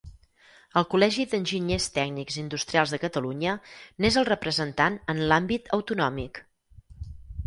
El Col·legi d’Enginyers Tècnics Industrials de Catalunya n'és el representant en l'àmbit autonòmic.